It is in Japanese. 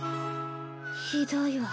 ひどいわ。